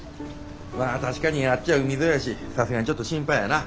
まあ確かにあっちは海沿いやしさすがにちょっと心配やな。